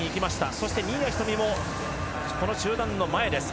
そして新谷仁美も集団の前です。